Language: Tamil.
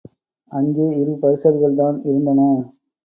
அங்கே இரு பரிசல்கள் தான் இருந்தன.